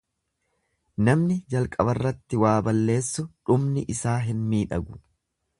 Namni jalqabarratti waa balleessu dhumni isaa hin miidhagu.